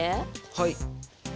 はい。